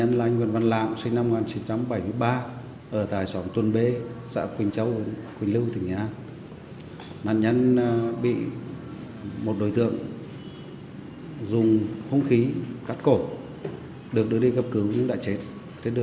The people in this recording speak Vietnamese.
anh lạng năm nay bốn mươi tuổi làm nghệ sửa chữa điện thoại di động nằm ngay trên mặt đường quốc lộ bốn mươi tám